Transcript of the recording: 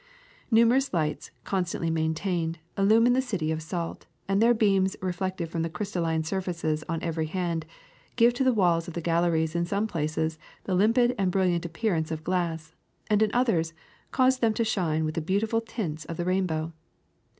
Numerous lights, constantly maintained, illumine the city of salt, and their beams, reflected from crystalline surfaces on every hand, give to the walls of the galleries in some places the limpid and brilliant appearance of glass, and in others cause them to shine with the beautiful tints of the rainbow.